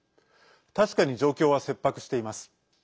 確かに状況は切迫しています。